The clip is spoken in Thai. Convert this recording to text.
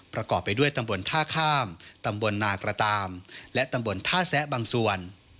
ประกอบไปด้วยตำบลท่าข้ามตำบลนากระตามและตำบลท่าแซะบางส่วน